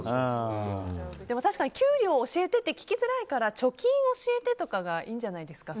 確かに給料教えてって聞きづらいから貯金を教えてとかがいいんじゃないですか。